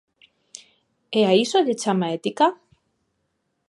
¿E a iso lle chama ética?